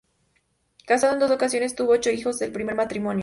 Casado en dos ocasiones, tuvo ocho hijos del primer matrimonio.